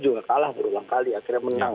juga kalah berulang kali akhirnya menang